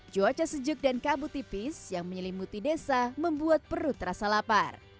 cuaca sejuk dan kabut tipis yang menyelimuti desa membuat perut terasa lapar